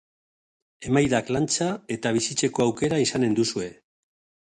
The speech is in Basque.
Emaidak Lantza eta bizitzeko aukera izanen duzue.